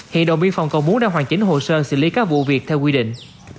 hiện đồng biên phòng cầu muốn đã hoàn chỉnh hồ sơ xử lý các vụ việc theo quy định